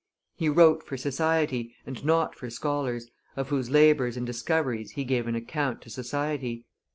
He wrote for society, and not for scholars, of whose labors and discoveries he gave an account to society.